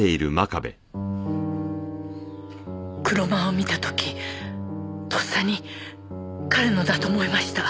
クロマーを見た時とっさに彼のだと思いました。